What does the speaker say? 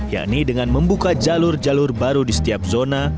yakni dengan membuka jalur jalur baru di setiap zona